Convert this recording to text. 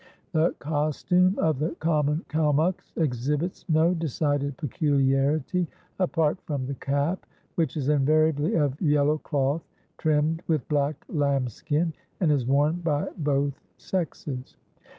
The costume of the common Kalmuks exhibits no decided peculiarity, apart from the cap, which is invariably of yellow cloth trimmed with black lambskin, and is worn by both sexes.